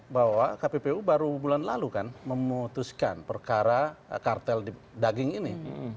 bahwa kppu baru bulan lalu kan memutuskan perkara kartel daging ini